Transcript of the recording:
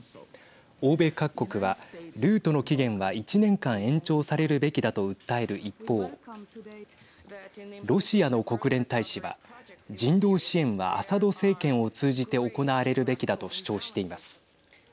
欧米各国はルートの期限は１年間延長されるべきだと訴える一方ロシアの国連大使は人道支援はアサド政権を通じて行われるべきだと主張しています。